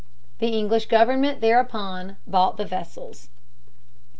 The English government thereupon bought the vessels.